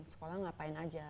sekolah ngapain aja